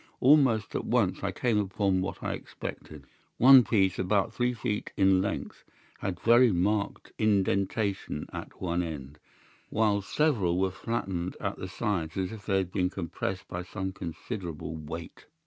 Almost at once I came upon what I expected. One piece, about three feet in length, had a very marked indentation at one end, while several were flattened at the sides as if they had been compressed by some considerable weight.